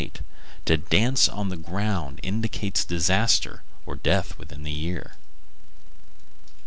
To dance on the ground indicates disaster, or death within a year.